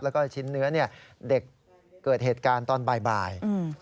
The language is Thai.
แล้วก็ชิ้นเนื้อเด็กเกิดเหตุการณ์ตอนบ่าย